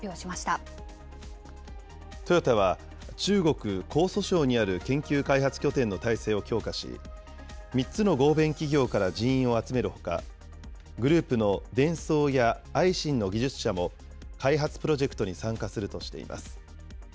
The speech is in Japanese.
トヨタは中国・江蘇省にある研究開発拠点の体制を強化し、３つの合弁企業から人員を集めるほか、グループのデンソーやアイシンの技術者も、開発プロジェクトに参加するとしています。